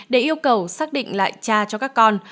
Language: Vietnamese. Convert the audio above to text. để yêu cầu xác định lại cha cho các con